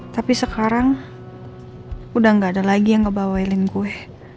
tapi sekarang udah gak ada lagi yang ngebawelin gue